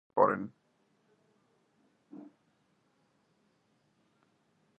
তিনি সয্যশায়ী হয়ে পরেন।